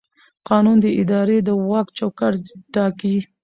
قانون د ادارې د واک چوکاټ ټاکي.